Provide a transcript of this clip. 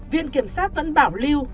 việc kiểm sát vẫn bảo lưu